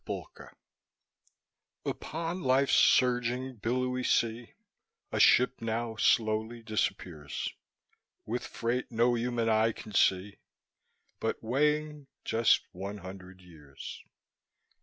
GONE Upon time's surging, billowy sea A ship now slowly disappears, With freight no human eye can see, But weighing just one hundred years.